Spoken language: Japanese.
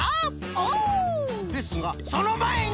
オ！ですがそのまえに！